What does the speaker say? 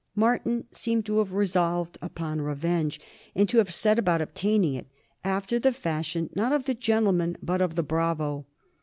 Martin seemed to have resolved upon revenge, and to have set about obtaining it after the fashion not of the gentleman, but of the bravo.